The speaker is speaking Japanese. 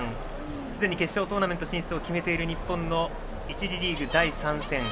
すでに決勝トーナメント進出を決めている日本の１次リーグ第３戦。